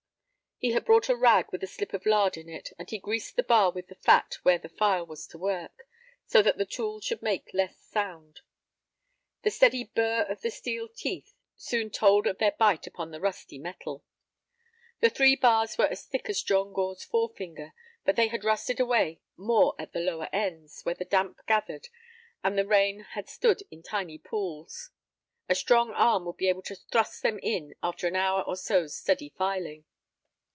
He had brought a rag with a slip of lard in it, and he greased the bar with the fat where the file was to work, so that the tool should make less sound. The steady "burr" of the steel teeth soon told of their bite upon the rusty metal. The three bars were as thick as John Gore's forefinger, but they had rusted away more at the lower ends, where the damp gathered and the rain had stood in tiny pools. A strong arm would be able to thrust them in after an hour or so's steady filing.